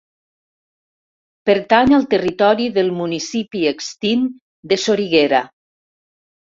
Pertany al territori del municipi extint de Soriguera.